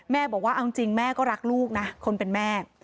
บอกว่าเอาจริงแม่ก็รักลูกนะคนเป็นแม่